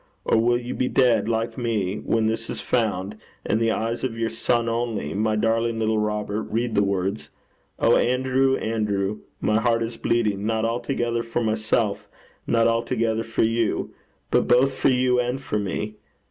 Or will you be dead, like me, when this is found, and the eyes of your son only, my darling little Robert, read the words? Oh, Andrew, Andrew! my heart is bleeding, not altogether for myself, not altogether for you, but both for you and for me.